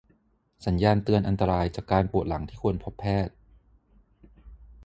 สัญญาณเตือนอันตรายจากการปวดหลังที่ควรพบแพทย์